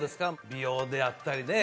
美容であったりね